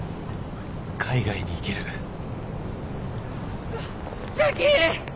海外に行ける千秋！